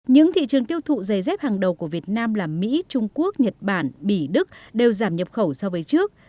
những thị trường tiêu thụ giày dép hàng đầu của việt nam là mỹ trung quốc nhật bản bỉ đức đều giảm nhập khẩu so với trước